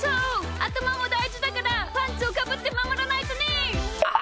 あたまもだいじだからパンツをかぶってまもらないとね！